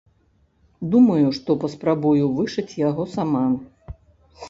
Думаю, што паспрабую вышыць яго сама!